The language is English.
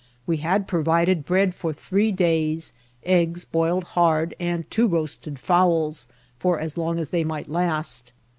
We had provided bread for three days, eggs boiled hard, and two roasted fowls for as long as they might last.